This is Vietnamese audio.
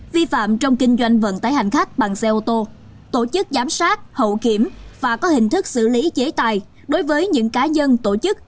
vi phạm trong kinh doanh vận tải hành khách bằng xe ô tô tổ chức giám sát hậu kiểm và có hình thức xử lý chế tài đối với những cá nhân tổ chức